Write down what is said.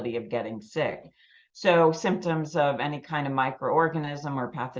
syaitan pembeli provokasi itu menunggu collide